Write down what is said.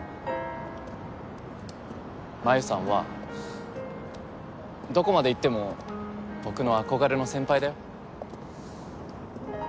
真夢さんはどこまでいっても僕の憧れの先輩だよ。